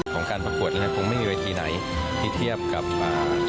เกียรติประกวดนั้นคงไม่มีวัยทีไหนที่เทียบกับอ่า